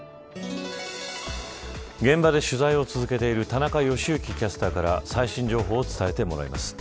現場で取材を続けている田中良幸キャスターから最新情報を伝えてもらいます。